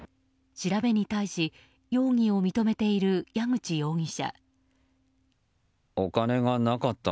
調べに対し容疑を認めている矢口容疑者。